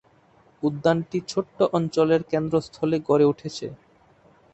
উদ্যানটি ছোট্ট অঞ্চলের কেন্দ্রস্থলে গড়ে উঠেছে।